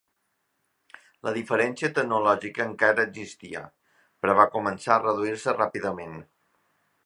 La diferència tecnològica encara existia, però va començar a reduir-se ràpidament.